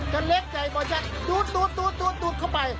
จะเล็กใหญ่หมดจะดูดเข้าไป